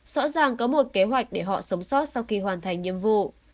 rõ ràng có một kế hoạch để họ sống sót sau khi hoàn thành nhiệm vụ